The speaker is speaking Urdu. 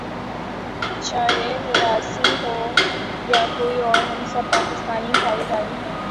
چاہے پارسی ہو یا کوئی اور ہم سب پاکستانی بھائی بھائی ہیں